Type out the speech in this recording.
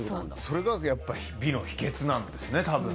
それがやっぱり美の秘訣なんですね多分。